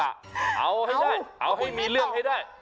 เอาให้ได้เอาให้มีเรื่องให้ได้